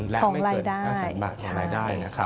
๑๕และไม่เกิน๕๐๐๐๐๐บาทของรายได้นะครับ